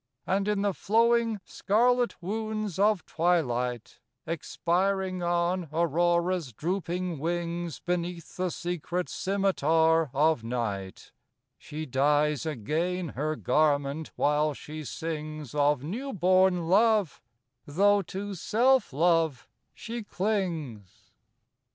And in the flowing, scarlet wounds of Twilight, Expiring on Aurora's drooping wings Beneath the secret scimitar of Night, She dyes again her garment, while she sings Of new born love, though to self love she clings.